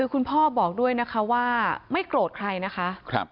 คุณพ่อบอกด้วยนะคะว่าไม่โกรธใครนะคะ